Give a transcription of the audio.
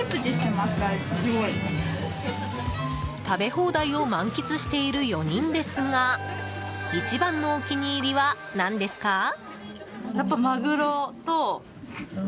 食べ放題を満喫している４人ですが一番のお気に入りは何ですか？